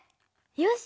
よし！